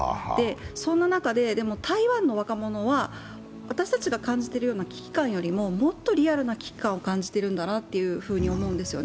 そんな中で台湾の若者は、私たちが感じている危機感よりももっとリアルな危機感を感じてるんだなと思います。